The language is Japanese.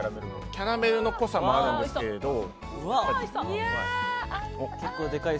キャメルの濃さもあるんですけども。